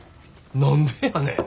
何でやねん。